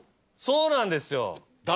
そうなんですよ。